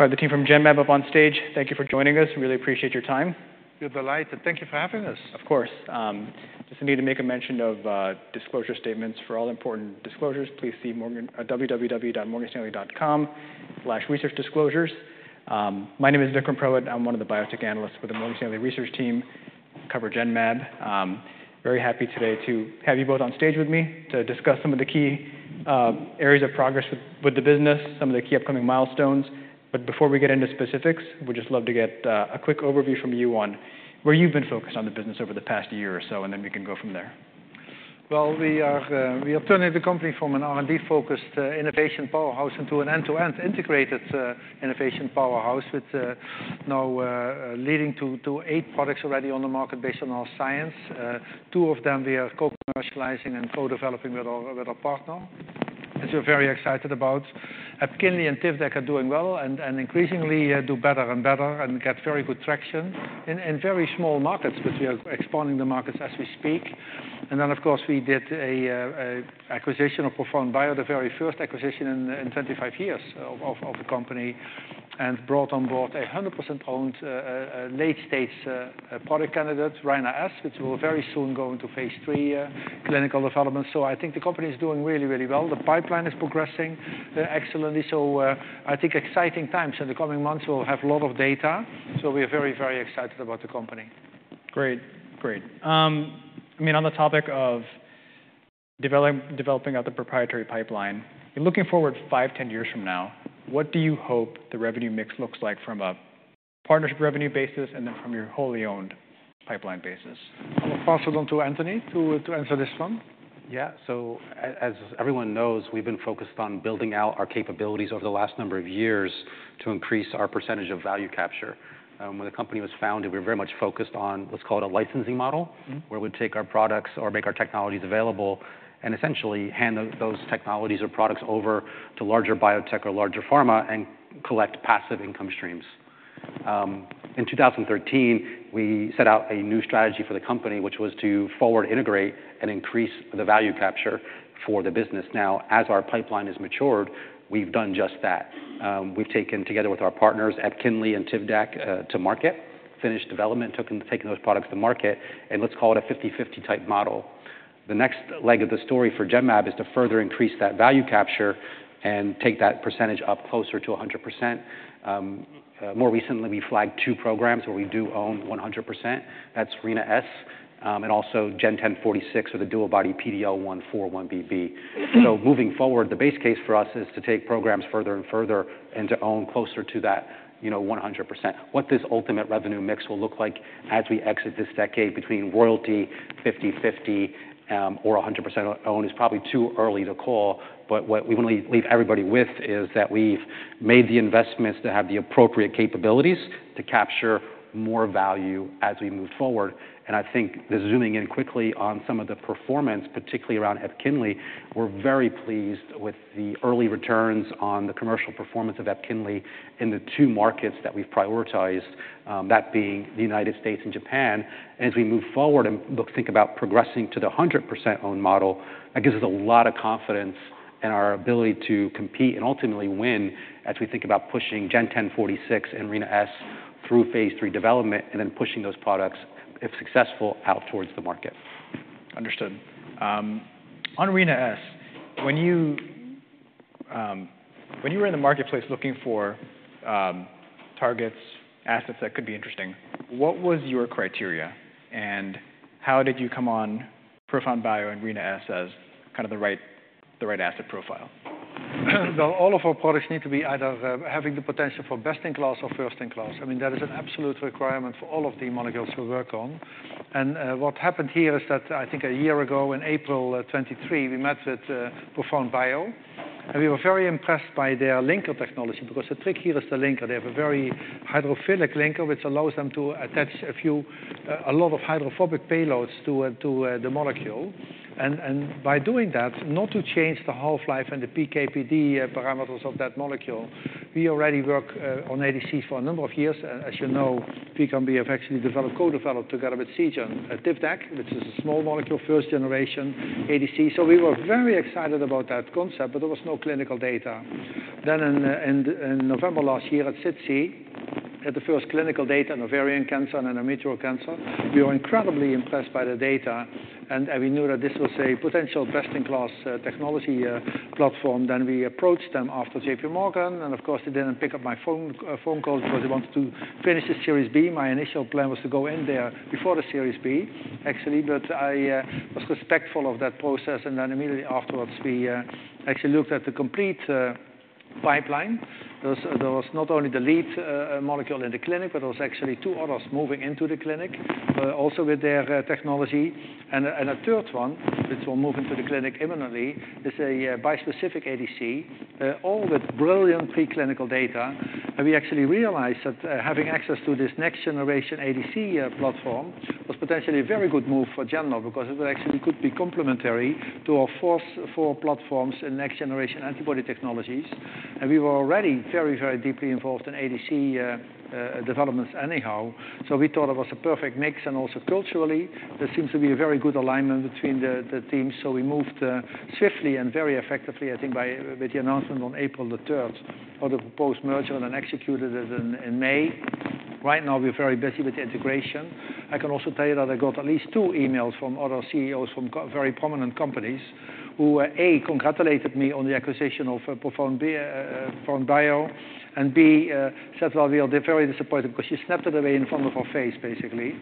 All right, the team from Genmab up on stage. Thank you for joining us. We really appreciate your time. We're delighted, and thank you for having us. Of course. Just need to make a mention of disclosure statements. For all important disclosures, please see Morgan Stanley, www.morganstanley.com/researchdisclosures. My name is Vikram Purohit. I'm one of the biotech analysts with the Morgan Stanley research team. I cover Genmab. Very happy today to have you both on stage with me to discuss some of the key areas of progress with the business, some of the key upcoming milestones, but before we get into specifics, we'd just love to get a quick overview from you on where you've been focused on the business over the past year or so, and then we can go from there. We are turning the company from an R&D-focused innovation powerhouse into an end-to-end integrated innovation powerhouse with now leading to eight products already on the market based on our science. Two of them, we are co-commercializing and co-developing with our partner, which we're very excited about. EPKINLY and TIVDAK are doing well, and increasingly do better and better and get very good traction in very small markets, but we are expanding the markets as we speak. Then, of course, we did an acquisition of ProfoundBio, the very first acquisition in 25 years of the company, and brought on board a 100% owned late-stage product candidate, Rina-S, which will very soon go into phase III clinical development. I think the company is doing really, really well. The pipeline is progressing excellently. I think exciting times. In the coming months, we'll have a lot of data, so we are very, very excited about the company. Great. Great. I mean, on the topic of developing out the proprietary pipeline, you're looking forward five, ten years from now, what do you hope the revenue mix looks like from a partnership revenue basis and then from your wholly owned pipeline basis? I'm gonna pass it on to Anthony to answer this one. Yeah. So as everyone knows, we've been focused on building out our capabilities over the last number of years to increase our percentage of value capture. When the company was founded, we were very much focused on what's called a licensing model- Mm-hmm. where we'd take our products or make our technologies available, and essentially hand o- those technologies or products over to larger biotech or larger pharma and collect passive income streams. In 2013, we set out a new strategy for the company, which was to forward integrate and increase the value capture for the business. Now, as our pipeline has matured, we've done just that. We've taken, together with our partners, EPKINLY and TIVDAK to market, finished development, taken those products to market in, let's call it, a fifty-fifty type model. The next leg of the story for Genmab is to further increase that value capture and take that percentage up closer to 100%. More recently, we flagged two programs where we do own 100%. That's Rina-S and also GEN1046, or the DuoBody PD-L1/4-1BB. So moving forward, the base case for us is to take programs further and further and to own closer to that, you know, 100%. What this ultimate revenue mix will look like as we exit this decade between royalty, fifty-fifty, or a hundred percent owned, is probably too early to call, but what we want to leave everybody with is that we've made the investments to have the appropriate capabilities to capture more value as we move forward. And I think the zooming in quickly on some of the performance, particularly around EPKINLY, we're very pleased with the early returns on the commercial performance of EPKINLY in the two markets that we've prioritized, that being the United States and Japan. And as we move forward and think about progressing to the 100% owned model, that gives us a lot of confidence in our ability to compete and ultimately win as we think about pushing GEN1046 and Rina-S through phase III development, and then pushing those products, if successful, out towards the market. Understood. On Rina-S, when you were in the marketplace looking for targets, assets that could be interesting, what was your criteria, and how did you come on ProfoundBio and Rina-S as kind of the right asset profile? All of our products need to be either, having the potential for best-in-class or first-in-class. I mean, that is an absolute requirement for all of the molecules we work on. What happened here is that, I think a year ago, in April 2023, we met with ProfoundBio, and we were very impressed by their linker technology, because the trick here is the linker. They have a very hydrophilic linker, which allows them to attach a few, a lot of hydrophobic payloads to the molecule. And by doing that, not to change the half-life and the PK/PD parameters of that molecule. We already work on ADC for a number of years. As you know, we have actually developed, co-developed together with Seagen, TIVDAK, which is a small molecule, first-generation ADC. We were very excited about that concept, but there was no clinical data. In November last year at SITC, had the first clinical data in ovarian cancer and endometrial cancer. We were incredibly impressed by the data, and we knew that this was a potential best-in-class technology platform. We approached them after JPMorgan, and of course, they didn't pick up my phone call because they wanted to finish the Series B. My initial plan was to go in there before the Series B, actually, but I was respectful of that process. Immediately afterwards, we actually looked at the complete pipeline. There was not only the lead molecule in the clinic, but there was actually two others moving into the clinic also with their technology. And a third one, which will move into the clinic imminently, is a bispecific ADC, all with brilliant preclinical data. And we actually realized that, having access to this next generation ADC platform was potentially a very good move for Genmab, because it actually could be complementary to our four platforms in next generation antibody technologies. And we were already very, very deeply involved in ADC developments anyhow. So we thought it was a perfect mix, and also culturally, there seems to be a very good alignment between the teams. So we moved swiftly and very effectively, I think, with the announcement on April the 3rd, for the proposed merger, and then executed it in May. Right now, we're very busy with the integration. I can also tell you that I got at least two emails from other CEOs from very prominent companies, who are, A, congratulated me on the acquisition of ProfoundBio, and B, said, well, we are very disappointed because you snapped it away in front of our face, basically.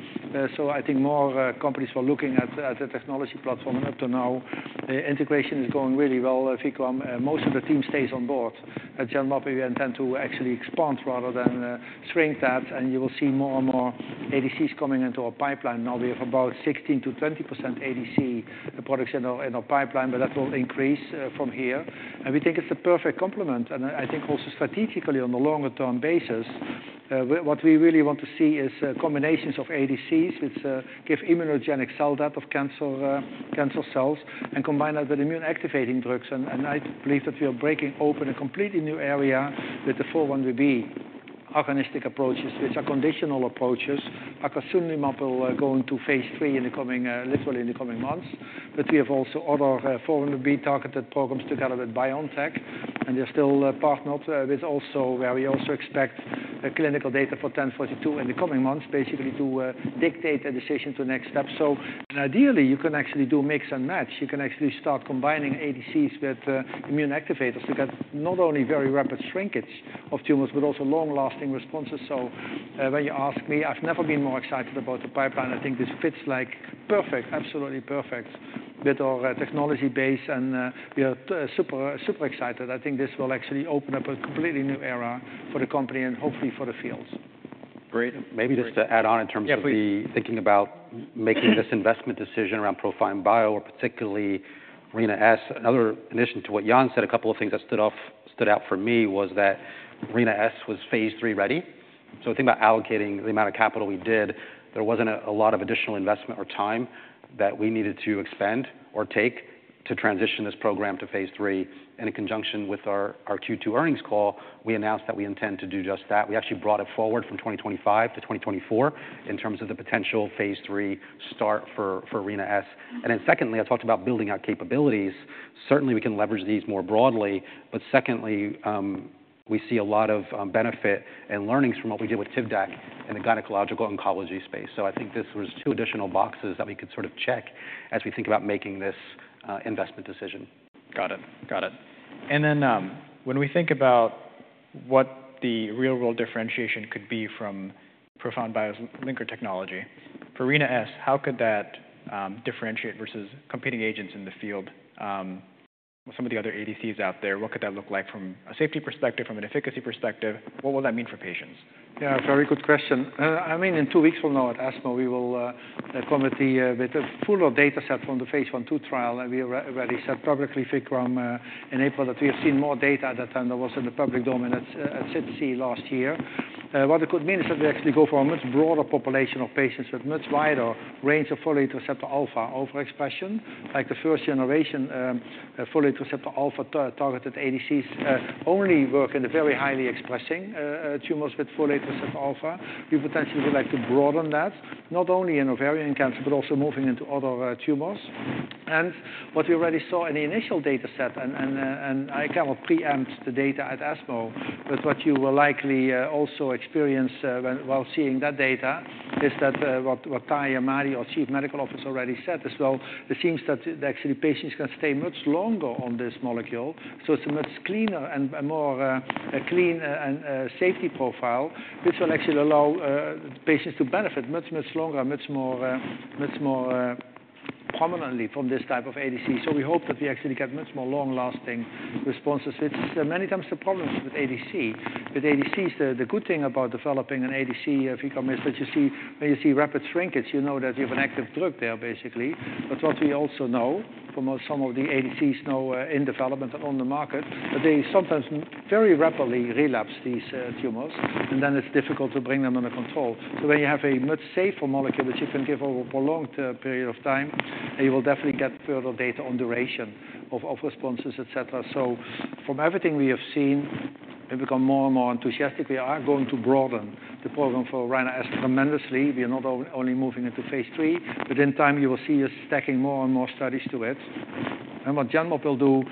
So I think more companies were looking at the technology platform, and up to now, the integration is going really well, Vikram, most of the team stays on board. At Genmab, we intend to actually expand rather than shrink that, and you will see more and more ADCs coming into our pipeline. Now, we have about 16%-20% ADC products in our pipeline, but that will increase from here. And we think it's a perfect complement. I think also strategically, on a longer term basis, what we really want to see is combinations of ADCs, which give immunogenic cell death of cancer cells and combine that with immune activating drugs. I believe that we are breaking open a completely new area with the 4-1BB agonistic approaches, which are conditional approaches. Acasunlimab will go into phase III in the coming, literally in the coming months. We have also other 4-1BB targeted programs together with BioNTech, and they're still partnered with also, where we also expect clinical data for GEN1042 in the coming months, basically to dictate a decision to the next step. Ideally, you can actually do a mix and match. You can actually start combining ADCs with immune activators to get not only very rapid shrinkage of tumors, but also long-lasting responses. So, when you ask me, I've never been more excited about the pipeline. I think this fits like perfect, absolutely perfect with our technology base, and we are super, super excited. I think this will actually open up a completely new era for the company and hopefully for the field. Great. Maybe just to add on in terms of the- Yeah, please. Thinking about making this investment decision around ProfoundBio, or particularly Rina-S. Another addition to what Jan said, a couple of things that stood out for me was that Rina-S was phase III-ready. So think about allocating the amount of capital we did, there wasn't a lot of additional investment or time that we needed to expend or take to transition this program to phase III. And in conjunction with our Q2 earnings call, we announced that we intend to do just that. We actually brought it forward from 2025 to 2024 in terms of the potential phase III start for Rina-S. And then secondly, I talked about building our capabilities. Certainly, we can leverage these more broadly, but secondly, we see a lot of benefit and learnings from what we did with TIVDAK in the gynecological oncology space. So I think this was two additional boxes that we could sort of check as we think about making this investment decision. Got it. Got it. And then, when we think about what the real world differentiation could be from ProfoundBio's linker technology, for Rina-S, how could that differentiate versus competing agents in the field, some of the other ADCs out there, what could that look like from a safety perspective, from an efficacy perspective? What will that mean for patients? Yeah, very good question. I mean, in two weeks from now at ESMO, we will come with a full data set from the phase one trial, and we already said publicly, Vikram, in April, that we have seen more data at that time that was in the public domain at SITC last year. What it could mean is that we actually go for a much broader population of patients with much wider range of folate receptor alpha overexpression. Like, the first generation, folate receptor alpha targeted ADCs only work in the very highly expressing tumors with folate receptor alpha. We potentially would like to broaden that, not only in ovarian cancer, but also moving into other tumors. What we already saw in the initial dataset, and I cannot preempt the data at ESMO, but what you will likely also experience while seeing that data is that what Tahamtan, our Chief Medical Officer, already said as well. It seems that actually patients can stay much longer on this molecule, so it's a much cleaner and more clean safety profile, which will actually allow patients to benefit much longer, much more prominently from this type of ADC. So we hope that we actually get much more long-lasting responses, which is many times the problem with ADC. With ADCs, the good thing about developing an ADC is that when you see rapid shrinkage, you know that you have an active drug there, basically. But what we also know from some of the ADCs now in development and on the market is that they sometimes very rapidly relapse these tumors, and then it's difficult to bring them under control, so when you have a much safer molecule which you can give over a prolonged period of time, you will definitely get further data on duration of responses, et cetera, so from everything we have seen, we become more and more enthusiastic. We are going to broaden the program for Rina-S tremendously. We are not only moving into phase three, but in time, you will see us stacking more and more studies to it. What Genmab will do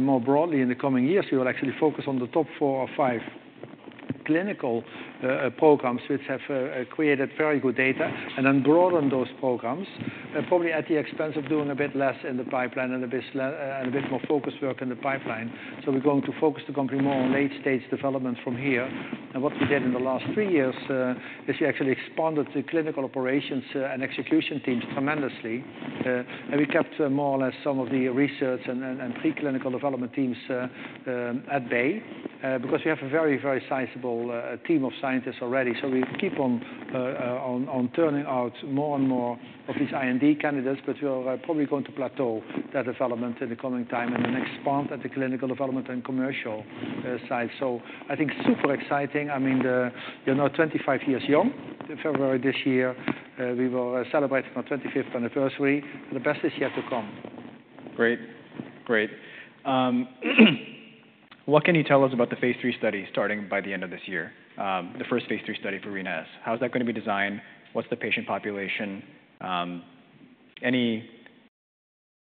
more broadly in the coming years, we will actually focus on the top four or five clinical programs, which have created very good data, and then broaden those programs, probably at the expense of doing a bit less in the pipeline and a bit more focused work in the pipeline. We're going to focus the company more on late-stage development from here. What we did in the last three years is we actually expanded the clinical operations and execution teams tremendously. We kept more or less some of the research and preclinical development teams at bay, because we have a very sizable team of scientists already. So we keep on turning out more and more of these IND candidates, but we are probably going to plateau that development in the coming time and then expand at the clinical development and commercial side. So I think super exciting. I mean, the, you know, twenty-five years young. In February this year, we were celebrating our twenty-fifth anniversary, and the best is yet to come. Great. Great. What can you tell us about the phase III study starting by the end of this year? The first phase III study for Rina-S. How is that going to be designed? What's the patient population? Any,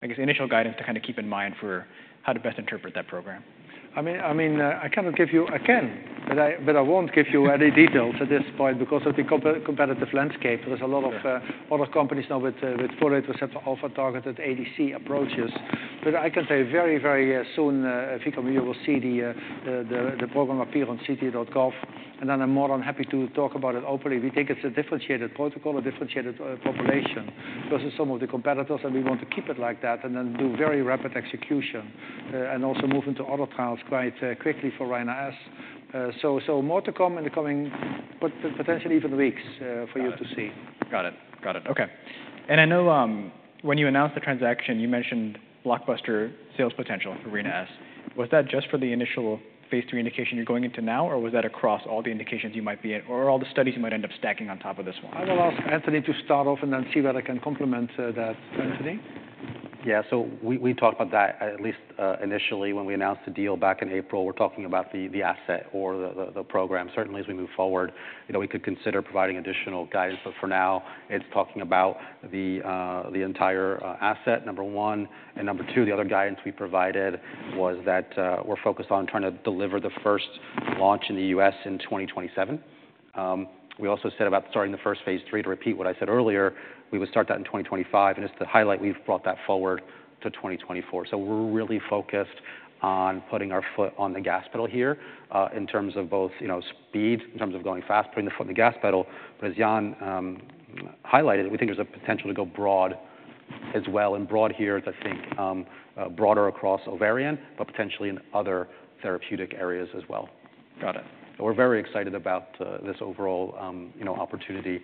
I guess, initial guidance to kind of keep in mind for how to best interpret that program? I mean, I cannot give you... I can, but I won't give you any details at this point because of the competitive landscape. Yeah. There's a lot of companies now with folate receptor alpha-targeted ADC approaches. But I can say very soon, I think you will see the program appear on ct.gov, and then I'm more than happy to talk about it openly. We think it's a differentiated protocol, a differentiated population versus some of the competitors, and we want to keep it like that and then do very rapid execution, and also move into other trials quite quickly for Rina-S. So more to come in the coming, potentially even weeks, for you to see. Got it. Got it. Okay, and I know when you announced the transaction, you mentioned blockbuster sales potential for Rina-S. Was that just for the initial phase III indication you're going into now, or was that across all the indications you might be in, or all the studies you might end up stacking on top of this one? I'm going to ask Anthony to start off and then see whether I can complement that. Anthony? Yeah, so we talked about that at least initially when we announced the deal back in April. We're talking about the asset or the program. Certainly, as we move forward, you know, we could consider providing additional guidance, but for now, it's talking about the entire asset, number one, and number two, the other guidance we provided was that we're focused on trying to deliver the first launch in the U.S. in 2027. We also said about starting the first phase three, to repeat what I said earlier, we would start that in 2025, and just to highlight, we've brought that forward to 2024. So we're really focused on putting our foot on the gas pedal here in terms of both, you know, speed, in terms of going fast, putting the foot on the gas pedal. But as Jan highlighted, we think there's a potential to go broad as well, and broad here, broader across ovarian, but potentially in other therapeutic areas as well. Got it. We're very excited about this overall, you know, opportunity,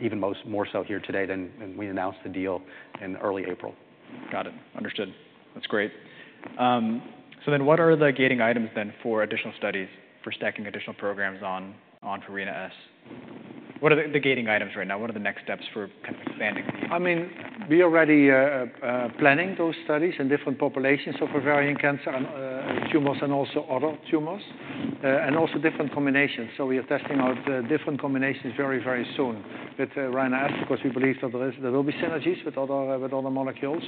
even more so here today than when we announced the deal in early April. Got it. Understood. That's great. So then what are the gating items then for additional studies, for stacking additional programs on Rina-S? What are the gating items right now? What are the next steps for kind of expanding the team? I mean, we are already planning those studies in different populations of ovarian cancer and tumors and also other tumors and also different combinations. So we are testing out different combinations very, very soon with Rina-S because we believe that there will be synergies with other molecules.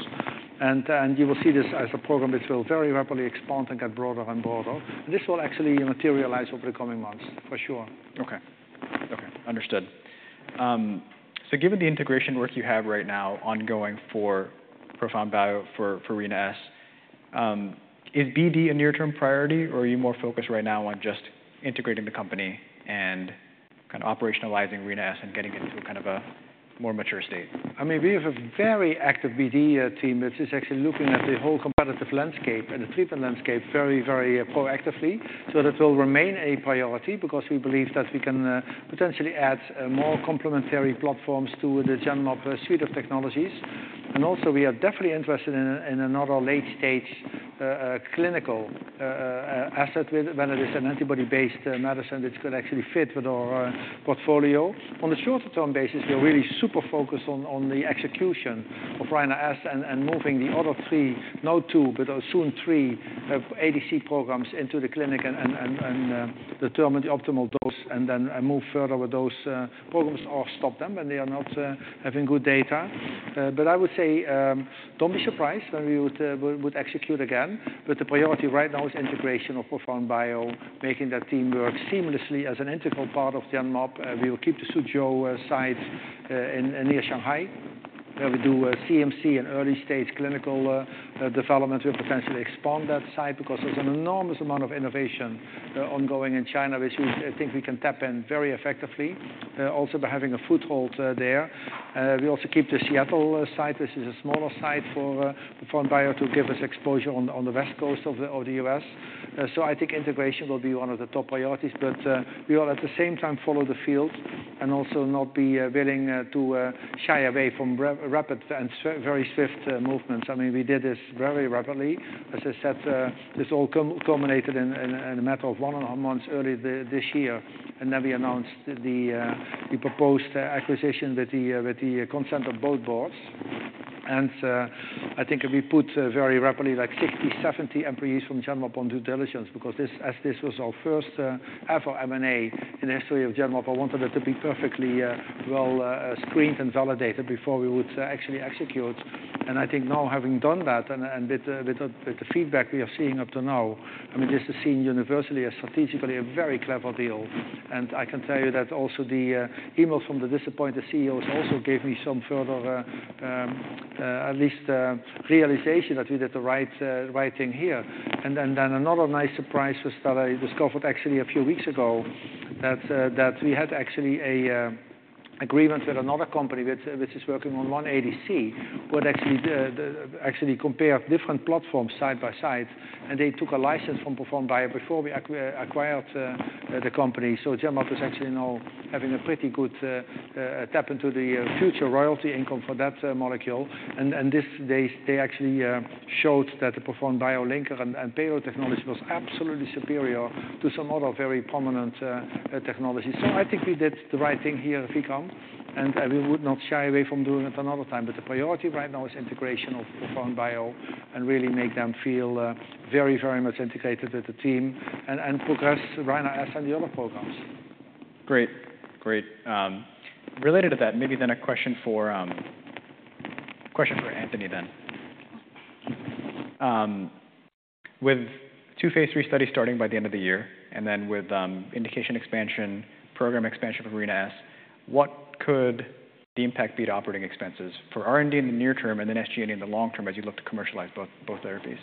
And you will see this as a program which will very rapidly expand and get broader and broader. This will actually materialize over the coming months, for sure. Okay. Okay, understood. So given the integration work you have right now ongoing for ProfoundBio for Rina-S, is BD a near-term priority, or are you more focused right now on just integrating the company and kind of operationalizing Rina-S and getting it to a kind of a more mature state? I mean, we have a very active BD team, which is actually looking at the whole competitive landscape and the treatment landscape very, very proactively. So that will remain a priority because we believe that we can potentially add more complementary platforms to the Genmab suite of technologies. And also, we are definitely interested in another late-stage clinical asset with whether it is an antibody-based medicine which could actually fit with our portfolio. On a shorter-term basis, we're really super focused on the execution of Rina-S and moving the other three, now two, but soon three, ADC programs into the clinic and determine the optimal dose and then move further with those programs or stop them, and they are not having good data. But I would say, don't be surprised when we would execute again, but the priority right now is integration of ProfoundBio, making that team work seamlessly as an integral part of Genmab. We will keep the Suzhou site in near Shanghai, where we do CMC and early-stage clinical development. We potentially expand that site because there's an enormous amount of innovation ongoing in China, which we, I think we can tap in very effectively, also by having a foothold there. We also keep the Seattle site. This is a smaller site for ProfoundBio to give us exposure on the West Coast of the U.S. So I think integration will be one of the top priorities, but we will at the same time follow the field and also not be willing to shy away from rapid and very swift movements. I mean, we did this very rapidly. As I said, this all culminated in a matter of one and a half months early this year, and then we announced the proposed acquisition with the consent of both boards. And I think we put very rapidly, like sixty, seventy employees from Genmab on due diligence, because as this was our first ever M&A in the history of Genmab, I wanted it to be perfectly well screened and validated before we would actually execute. I think now, having done that and with the feedback we are seeing up to now, I mean, this is seen universally as strategically a very clever deal. I can tell you that also the emails from the disappointed CEOs also gave me some further at least realization that we did the right thing here. Then another nice surprise was that I discovered actually a few weeks ago that we had actually an agreement with another company which is working on one ADC, but actually compare different platforms side by side, and they took a license from ProfoundBio before we acquired the company. So Genmab is actually now having a pretty good tap into the future royalty income for that molecule. And this, they actually showed that the ProfoundBio linker and payload technology was absolutely superior to some other very prominent technologies. So I think we did the right thing here at Genmab, and we would not shy away from doing it another time. But the priority right now is integration of ProfoundBio and really make them feel very, very much integrated with the team and progress Rina-S and the other programs. Great. Related to that, maybe then a question for Anthony then. With two phase three studies starting by the end of the year, and then with indication expansion, program expansion for Rina-S, what could the impact be to operating expenses for R&D in the near term and then SG&A in the long term, as you look to commercialize both therapies?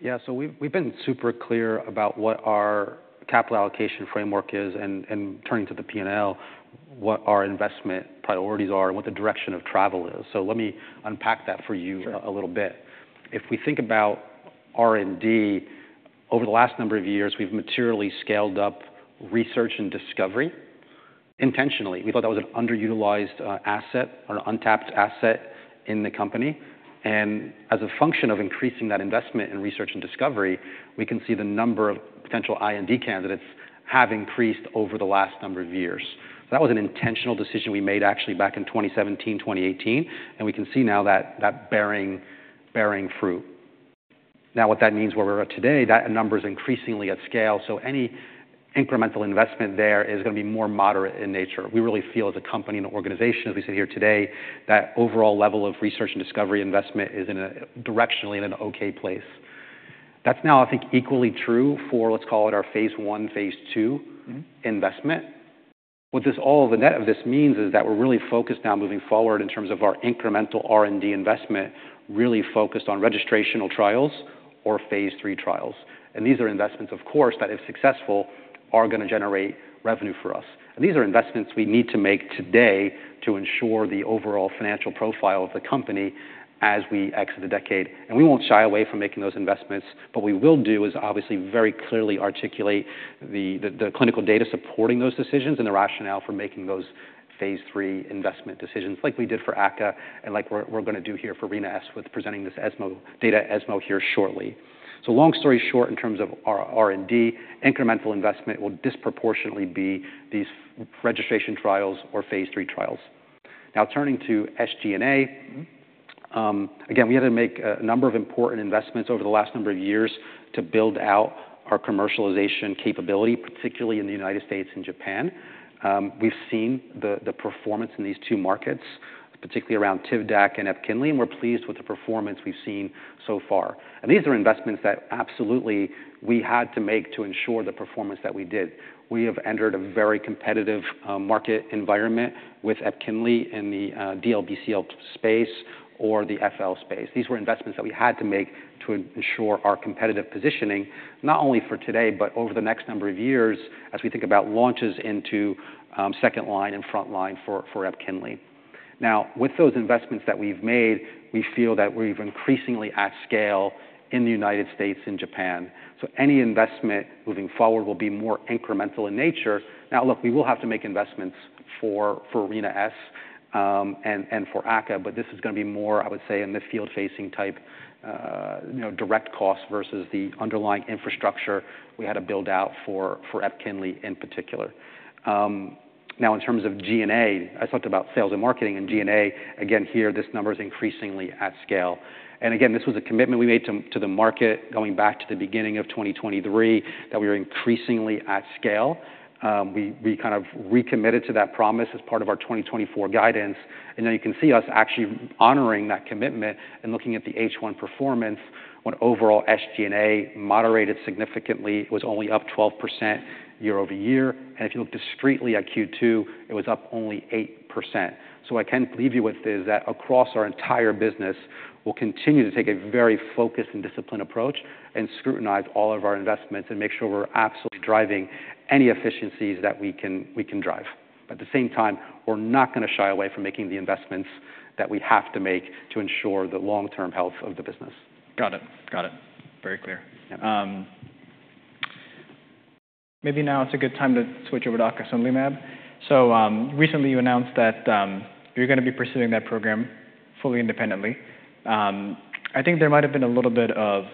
Yeah, so we've, we've been super clear about what our capital allocation framework is, and, and turning to the P&L, what our investment priorities are and what the direction of travel is. So let me unpack that for you- Sure... a little bit. If we think about R&D, over the last number of years, we've materially scaled up research and discovery intentionally. We thought that was an underutilized asset or untapped asset in the company, and as a function of increasing that investment in research and discovery, we can see the number of potential IND candidates have increased over the last number of years. That was an intentional decision we made actually back in twenty seventeen, twenty eighteen, and we can see now that bearing fruit. Now, what that means, where we're at today, that number is increasingly at scale, so any incremental investment there is gonna be more moderate in nature. We really feel as a company and an organization, as we sit here today, that overall level of research and discovery investment is directionally in an okay place. That's now, I think, equally true for, let's call it, our phase I, phase II- Mm-hmm... investment. What this all, the net of this, means is that we're really focused now moving forward in terms of our incremental R&D investment, really focused on registrational trials or phase three trials. These are investments, of course, that, if successful, are gonna generate revenue for us. These are investments we need to make today to ensure the overall financial profile of the company as we exit the decade. We won't shy away from making those investments. What we will do is obviously very clearly articulate the clinical data supporting those decisions and the rationale for making those phase three investment decisions, like we did for acasunlimab and like we're gonna do here for Rina-S with presenting this data at ESMO here shortly. So long story short, in terms of our R&D, incremental investment will disproportionately be these registration trials or phase three trials. Now, turning to SG&A- Mm-hmm again, we had to make a number of important investments over the last number of years to build out our commercialization capability, particularly in the United States and Japan. We've seen the performance in these two markets, particularly around TIVDAK and EPKINLY, and we're pleased with the performance we've seen so far, and these are investments that absolutely we had to make to ensure the performance that we did. We have entered a very competitive market environment with EPKINLY in the DLBCL space or the FL space. These were investments that we had to make to ensure our competitive positioning, not only for today, but over the next number of years, as we think about launches into second line and front line for EPKINLY. Now, with those investments that we've made, we feel that we're increasingly at scale in the United States and Japan, so any investment moving forward will be more incremental in nature. Now, look, we will have to make investments for Rina-S and for aca, but this is gonna be more, I would say, in the field-facing type, you know, direct costs versus the underlying infrastructure we had to build out for EPKINLY in particular. Now, in terms of G&A, I talked about sales and marketing, and G&A, again, here, this number is increasingly at scale. Again, this was a commitment we made to the market, going back to the beginning of twenty twenty-three, that we are increasingly at scale. We kind of recommitted to that promise as part of our twenty twenty-four guidance, and now you can see us actually honoring that commitment and looking at the H1 performance, when overall SG&A moderated significantly, was only up 12% year over year, and if you look discreetly at Q2, it was up only 8%. So what I can leave you with is that across our entire business, we'll continue to take a very focused and disciplined approach and scrutinize all of our investments and make sure we're absolutely driving any efficiencies that we can drive. At the same time, we're not gonna shy away from making the investments that we have to make to ensure the long-term health of the business. Got it. Got it. Very clear. Maybe now it's a good time to switch over to acasunlimab. So, recently, you announced that you're gonna be pursuing that program fully independently. I think there might have been a little bit of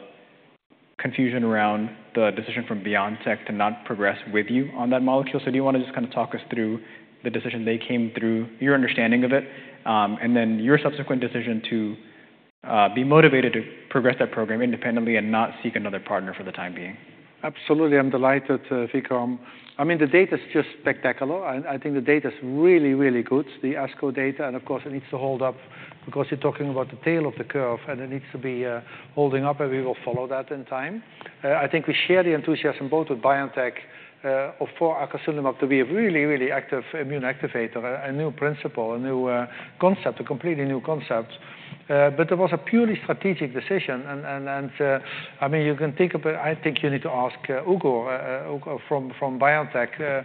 confusion around the decision from BioNTech to not progress with you on that molecule. So do you want to just kind of talk us through the decision they came through, your understanding of it, and then your subsequent decision to be motivated to progress that program independently and not seek another partner for the time being? Absolutely. I'm delighted. I mean, the data's just spectacular, and I think the data is really, really good, the ASCO data, and of course, it needs to hold up because you're talking about the tail of the curve, and it needs to be holding up, and we will follow that in time. I think we share the enthusiasm both with BioNTech for acasunlimab to be a really, really active immune activator, a new principle, a new concept, a completely new concept. It was a purely strategic decision. I mean, you can think about it. I think you need to ask Uğur from BioNTech.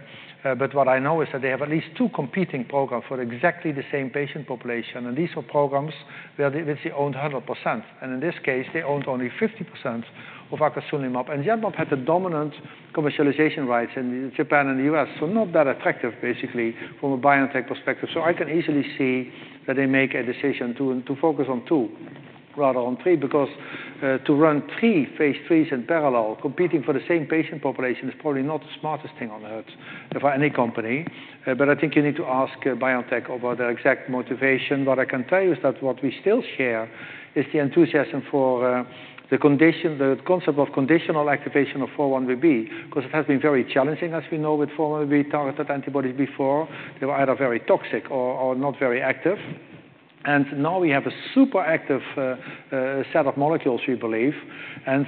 But what I know is that they have at least two competing programs for exactly the same patient population, and these are programs where they obviously owned 100%. And in this case, they owned only 50% of acasunlimab, and Genmab had the dominant commercialization rights in Japan and the US. So not that attractive, basically, from a biotech perspective. So I can easily see that they make a decision to focus on two rather than on three, because to run three phase IIIs in parallel, competing for the same patient population is probably not the smartest thing on earth for any company. But I think you need to ask BioNTech about their exact motivation. What I can tell you is that what we still share is the enthusiasm for the condition, the concept of conditional activation of 4-1BB, because it has been very challenging, as we know, with 4-1BB-targeted antibodies before. They were either very toxic or not very active. And now we have a super active set of molecules, we believe. And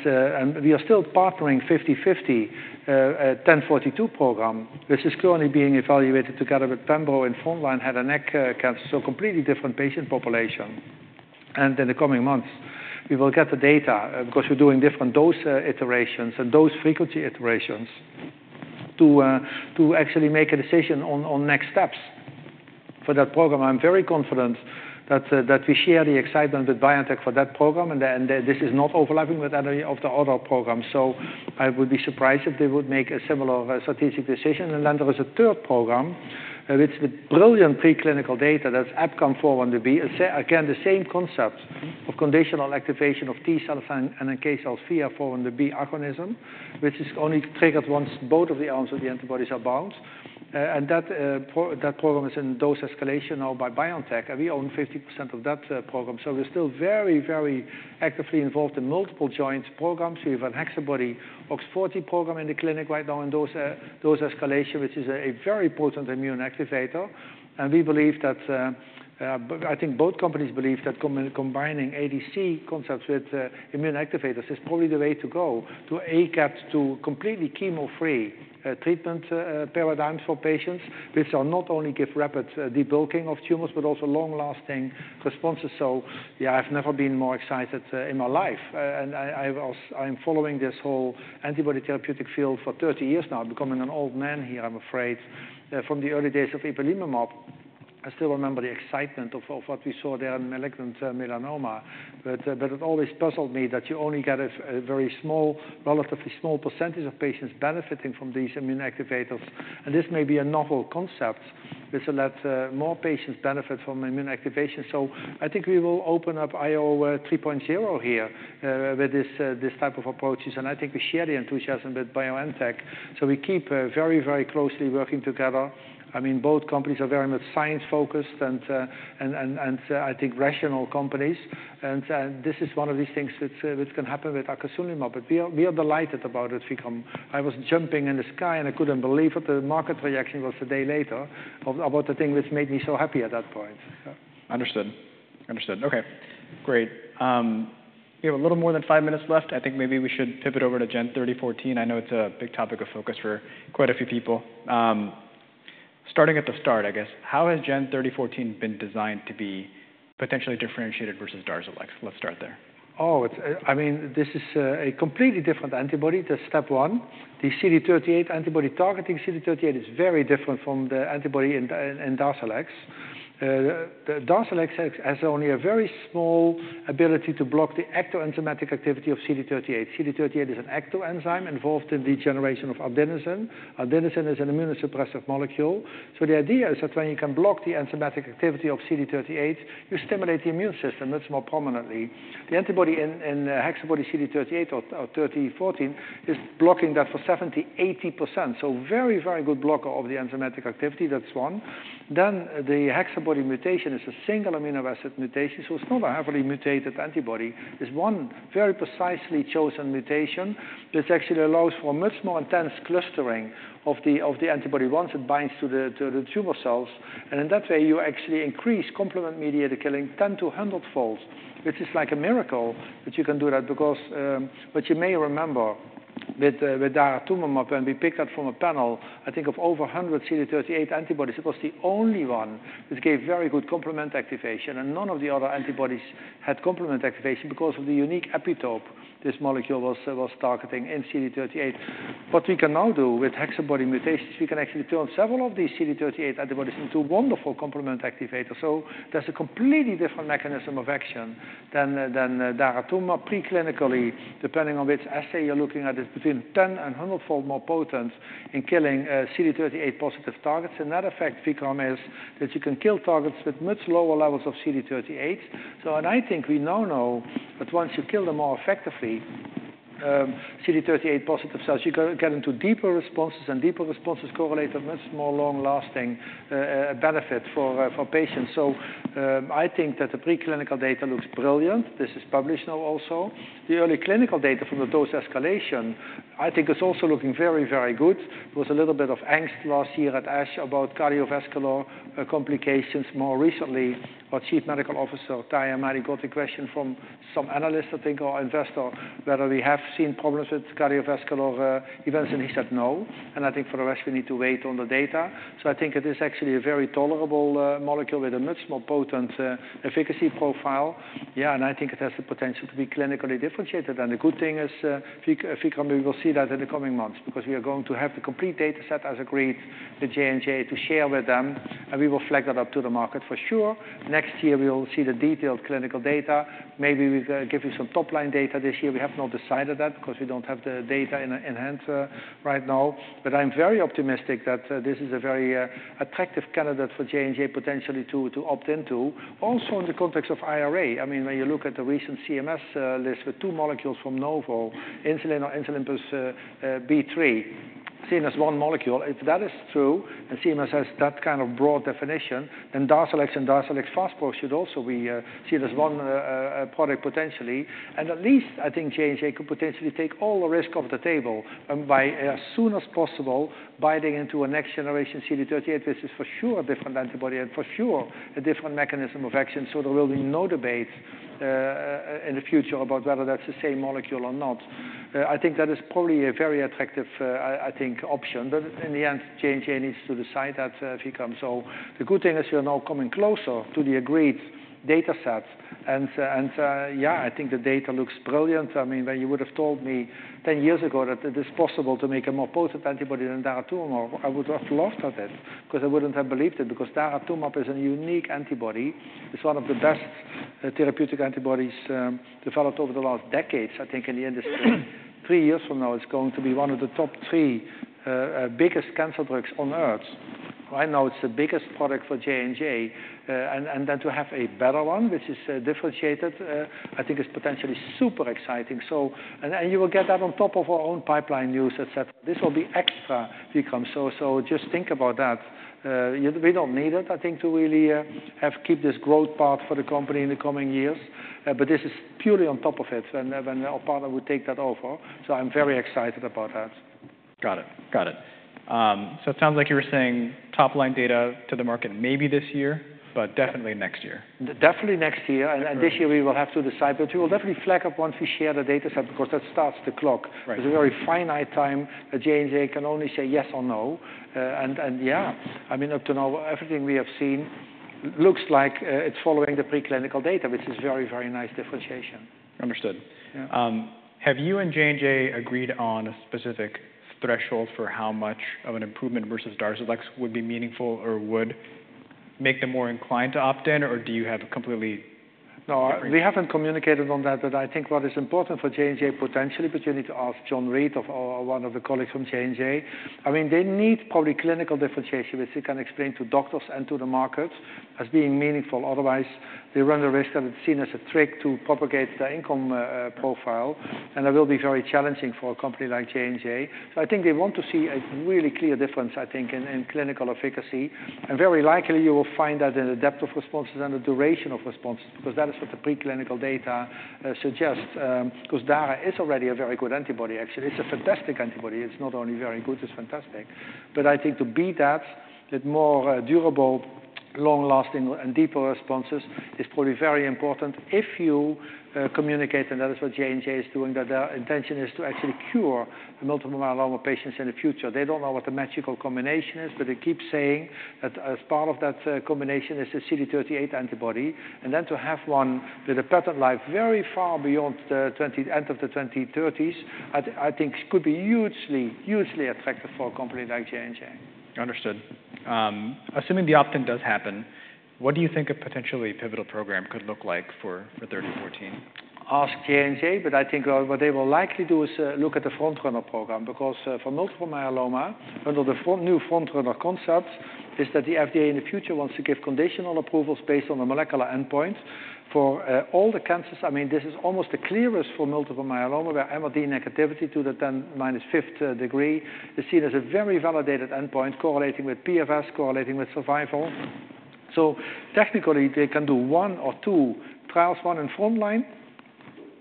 we are still partnering 50-50, GEN1042 program, which is currently being evaluated together with Pembro in front line head and neck cancer, so completely different patient population. And in the coming months, we will get the data, because we're doing different dose iterations and dose frequency iterations to actually make a decision on next steps for that program. I'm very confident that we share the excitement with BioNTech for that program, and then this is not overlapping with any of the other programs. So I would be surprised if they would make a similar strategic decision, and then there is a third program with brilliant preclinical data that's a combo for 4-1BB. Again, the same concept of conditional activation of T cell and in case of 4-1BB agonism, which is only triggered once both of the arms of the antibodies are bound, and that program is in dose escalation now by BioNTech, and we own 50% of that program. So we're still very, very actively involved in multiple joint programs. We have a HexaBody OX40 program in the clinic right now, and the dose escalation, which is a very potent immune activator. And we believe that, but I think both companies believe that combining ADC concepts with immune activators is probably the way to go to achieve completely chemo-free treatment paradigms for patients, which are not only give rapid debulking of tumors, but also long-lasting responses. So yeah, I've never been more excited in my life. And I, I'm following this whole antibody therapeutic field for 30 years now, becoming an old man here, I'm afraid. From the early days of Ipilimumab, I still remember the excitement of what we saw there in malignant melanoma. But it always puzzled me that you only get a very small, relatively small percentage of patients benefiting from these immune activators. And this may be a novel concept. This will let more patients benefit from immune activation. So I think we will open up IO three point zero here with this type of approaches, and I think we share the enthusiasm with BioNTech. So we keep very closely working together. I mean, both companies are very much science-focused and I think rational companies. And this is one of these things that which can happen with acasunlimab, but we are delighted about it, Vikram. I was jumping in the sky, and I couldn't believe it. The market reaction was a day later about the thing which made me so happy at that point. Understood. Okay, great. We have a little more than five minutes left. I think maybe we should pivot over to GEN 3014. I know it's a big topic of focus for quite a few people. Starting at the start, I guess, how has GEN 3014 been designed to be potentially differentiated versus Darzalex? Let's start there. Oh, it's... I mean, this is a completely different antibody to step one. The CD38 antibody targeting CD38 is very different from the antibody in DARZALEX. The DARZALEX has only a very small ability to block the ectoenzymatic activity of CD38. CD38 is an ectoenzyme involved in the generation of adenosine. Adenosine is an immunosuppressive molecule. So the idea is that when you can block the enzymatic activity of CD38, you stimulate the immune system, that's more prominently. The antibody in HexaBody-CD38 or GEN3014 is blocking that for 70-80%. So very, very good blocker of the enzymatic activity. That's one. Then the HexaBody mutation is a single amino acid mutation, so it's not a heavily mutated antibody. It's one very precisely chosen mutation, which actually allows for much more intense clustering of the antibody once it binds to the tumor cells. And in that way, you actually increase complement-mediated killing 10- to 100-fold, which is like a miracle that you can do that because. But you may remember with daratumumab, and we picked up from a panel, I think, of over 100 CD38 antibodies, it was the only one which gave very good complement activation, and none of the other antibodies had complement activation because of the unique epitope this molecule was targeting in CD38. What we can now do with HexaBody mutations, we can actually turn several of these CD38 antibodies into wonderful complement activator. There's a completely different mechanism of action than daratumumab preclinically, depending on which assay you're looking at, is between 10- and 100-fold more potent in killing CD38-positive targets. Another effect, Vikram, is that you can kill targets with much lower levels of CD38. And I think we now know that once you kill them more effectively, CD38-positive cells, you get into deeper responses, and deeper responses correlate a much more long-lasting benefit for patients. I think that the preclinical data looks brilliant. This is published now also. The early clinical data from the dose escalation, I think is also looking very, very good. There was a little bit of angst last year at ASH about cardiovascular complications more recently. Our Chief Medical Officer, Tahamtan Ahmadi, got a question from some analysts, I think, or investor, whether we have seen problems with cardiovascular events, and he said, "No." I think for the rest, we need to wait on the data. So I think it is actually a very tolerable molecule with a much more potent efficacy profile. Yeah, and I think it has the potential to be clinically differentiated. The good thing is, we will see that in the coming months because we are going to have the complete data set, as agreed with J&J, to share with them, and we will flag that up to the market for sure. Next year, we will see the detailed clinical data. Maybe we're gonna give you some top-line data this year. We have not decided that because we don't have the data in hand right now, but I'm very optimistic that this is a very attractive candidate for J&J potentially to opt into. Also, in the context of IRA, I mean, when you look at the recent CMS list with two molecules from Novo, insulin or insulin plus B3, seen as one molecule, if that is true, and CMS has that kind of broad definition, then Darzalex and Darzalex Faspro should also be seen as one product potentially. At least I think J&J could potentially take all the risk off the table, and by as soon as possible, buying into a next generation CD38. This is for sure a different antibody and for sure a different mechanism of action, so there will be no debate in the future about whether that's the same molecule or not. I think that is probably a very attractive option. But in the end, J&J needs to decide that, Vikram. So the good thing is we are now coming closer to the agreed data set, and yeah, I think the data looks brilliant. I mean, when you would have told me ten years ago that it is possible to make a more potent antibody than daratumumab, I would have laughed at it, because I wouldn't have believed it, because daratumumab is a unique antibody. It's one of the best therapeutic antibodies developed over the last decades, I think, in the industry. Three years from now, it's going to be one of the top three biggest cancer drugs on earth. Right now, it's the biggest product for J&J. And then to have a better one, which is differentiated, I think is potentially super exciting. So... And you will get that on top of our own pipeline news, et cetera. This will be extra become. So just think about that. We don't need it, I think, to really keep this growth path for the company in the coming years, but this is purely on top of it, and our partner would take that over, so I'm very excited about that. Got it. Got it. So it sounds like you were saying top-line data to the market, maybe this year, but definitely next year. Definitely next year. Great. This year we will have to decide, but we will definitely flag up once we share the data set, because that starts the clock. Right. There's a very finite time that J&J can only say yes or no. And yeah, I mean, up to now, everything we have seen looks like it's following the preclinical data, which is very, very nice differentiation. Understood. Yeah. Have you and J&J agreed on a specific threshold for how much of an improvement versus Darzalex would be meaningful or would make them more inclined to opt in, or do you have a completely- No, we haven't communicated on that, but I think what is important for J&J, potentially, but you need to ask John Reed or one of the colleagues from J&J. I mean, they need probably clinical differentiation, which he can explain to doctors and to the market as being meaningful. Otherwise, they run the risk of it seen as a trick to propagate the income profile, and that will be very challenging for a company like J&J. So I think they want to see a really clear difference, I think, in clinical efficacy. And very likely you will find that in the depth of responses and the duration of responses, because that is what the preclinical data suggests. Because Dara is already a very good antibody, actually. It's a fantastic antibody. It's not only very good, it's fantastic. But I think to beat that, with more, durable, long-lasting and deeper responses is probably very important. If you communicate, and that is what J&J is doing, that their intention is to actually cure the multiple myeloma patients in the future. They don't know what the magical combination is, but they keep saying that as part of that, combination is a CD38 antibody. And then to have one with a patent life very far beyond the twenty... end of the twenty-thirties, I think could be hugely, hugely attractive for a company like J&J. Understood. Assuming the opt-in does happen, what do you think a potentially pivotal program could look like for GEN3014? Ask J&J, but I think what they will likely do is look at the front-runner program, because for multiple myeloma, under the front- new front-runner concept, is that the FDA in the future wants to give conditional approvals based on the molecular endpoint. For all the cancers, I mean, this is almost the clearest for multiple myeloma, where MRD negativity to the ten minus fifth degree is seen as a very validated endpoint correlating with PFS, correlating with survival. So technically, they can do one or two trials, one in front line,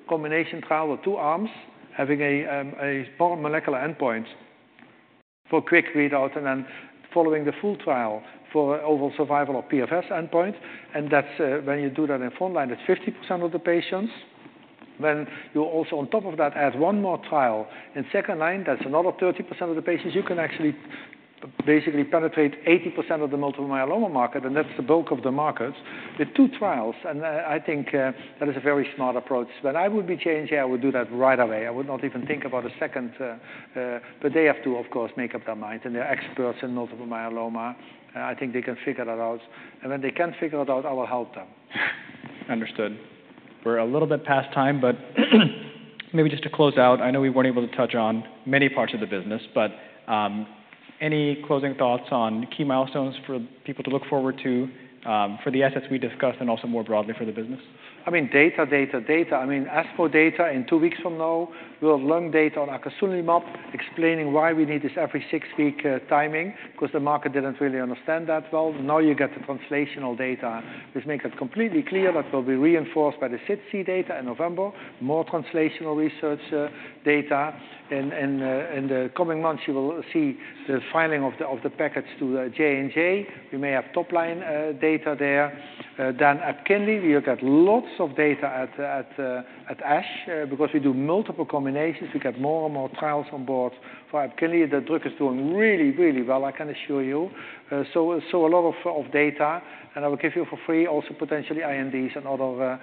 combination trial or two arms, having a more molecular endpoint for quick readout, and then following the full trial for overall survival of PFS endpoint. And that's when you do that in front line, it's 50% of the patients. When you also, on top of that, add one more trial in second line, that's another 30% of the patients. You can actually basically penetrate 80% of the multiple myeloma market, and that's the bulk of the market. The two trials, and I think that is a very smart approach. But I would be J&J, I would do that right away. I would not even think about a second. But they have to, of course, make up their mind, and they're experts in multiple myeloma, and I think they can figure that out. And when they can't figure it out, I will help them. Understood. We're a little bit past time, but maybe just to close out, I know we weren't able to touch on many parts of the business, but, any closing thoughts on key milestones for people to look forward to, for the assets we discussed and also more broadly for the business? I mean, data, data, data. I mean, as for data, in two weeks from now, we will have long data on acasunlimab, explaining why we need this every six-week timing, because the market didn't really understand that well. Now you get the translational data, which make it completely clear, that will be reinforced by the SITC data in November, more translational research data. In the coming months, you will see the filing of the package to the J&J. We may have top-line data there. Then EPKINLY, we will get lots of data at ASH. Because we do multiple combinations, we get more and more trials on board. For EPKINLY, the drug is doing really, really well, I can assure you. So a lot of data, and I will give you for free, also potentially INDs and other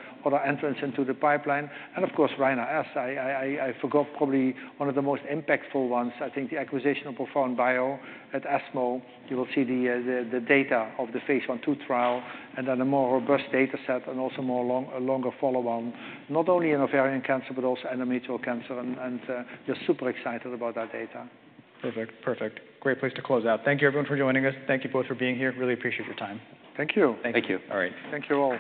entrants into the pipeline. And of course, Rina-S, I forgot probably one of the most impactful ones. I think the acquisition of ProfoundBio at ESMO, you will see the data of the phase one trial, and then a more robust data set and also a longer follow-on, not only in ovarian cancer, but also endometrial cancer. And we're super excited about that data. Perfect. Perfect. Great place to close out. Thank you, everyone, for joining us. Thank you both for being here. Really appreciate your time. Thank you. Thank you. All right. Thank you all.